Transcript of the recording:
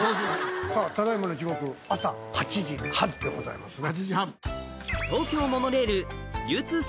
さぁただ今の時刻朝８時半でございますね。